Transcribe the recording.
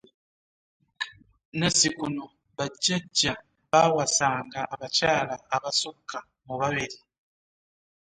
Nazzikuno ba jajja baawasanga abakyala abasukka mu babiri.